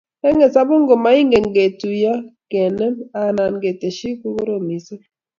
Eng hesabuk ngomaingen ketuiyo, kenem anan keteshkk ko koroom missing